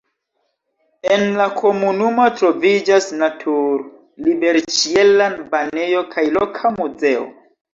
En la komunumo troviĝas natur-liberĉiela banejo kaj loka muzeo.